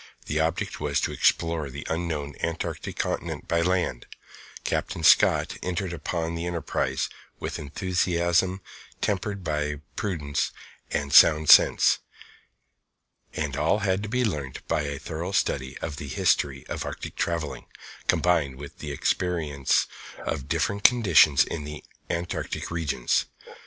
The object was to explore the unknown Antarctic Continent by land. Captain Scott entered upon the enterprise with enthusiasm tempered by prudence and sound sense. All had to be learnt by a thorough study of the history of Arctic travelling, combined with experience of different conditions in the Antarctic Regions.